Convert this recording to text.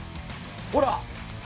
ほら！